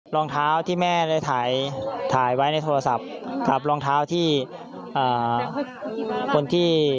รองเท้าที่แม่ได้ถ่ายไว้ในโทรศัพท์กับรองเท้าที่คนที่